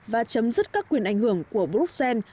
và chấm dứt các quyền ảnh hưởng của bruxelles